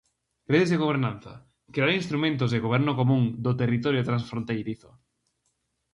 Redes de gobernanza: crear instrumentos de goberno común do territorio transfronteirizo.